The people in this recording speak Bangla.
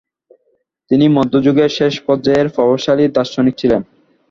তিনি মধ্যযুগের শেষ পর্যায়ের প্রভাবশালী দার্শনিক ছিলেন।